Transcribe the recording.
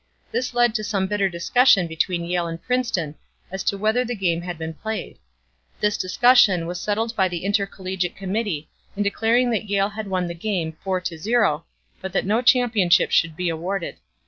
This led to some bitter discussion between Yale and Princeton as to whether the game had been played. This discussion was settled by the intercollegiate committee in declaring that Yale had won the game, 4 to 0, but that no championship should be awarded.